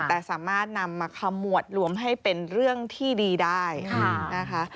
แต่สามารถนำมาขมวดรวมให้เป็นเรื่องที่ดีได้นะคะ